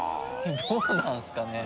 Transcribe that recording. どうなんですかね？